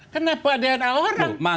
kenapa dna orang